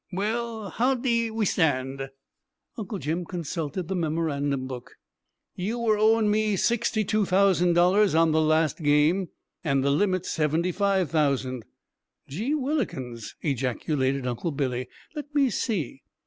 "Well. How de we stand?" Uncle Jim consulted the memorandum book. "You were owin' me sixty two thousand dollars on the last game, and the limit's seventy five thousand!" "Je whillikins!" ejaculated Uncle Billy. "Let me see."